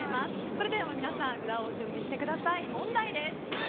それでは、皆さん札を準備してください、問題です。